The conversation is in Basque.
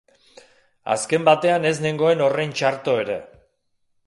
Azken batean ez nengoen horren txarto ere.